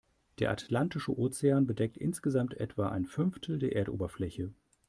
Der Atlantische Ozean bedeckt insgesamt etwa ein Fünftel der Erdoberfläche.